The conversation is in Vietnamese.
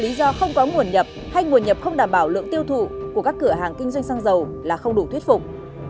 lý do không có nguồn nhập hay nguồn nhập không đảm bảo lượng tiêu thụ của các cửa hàng kinh doanh xăng dầu là không đủ thuyết phục